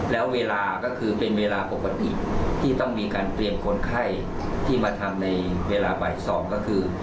แล้วเวลาก็คือเป็นเวลาปกติที่ต้องมีการเตรียมคนไข้ที่มาทำในเวลาบ่าย๒ก็คือ